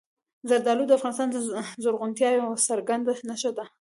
زردالو د افغانستان د زرغونتیا یوه څرګنده نښه ده.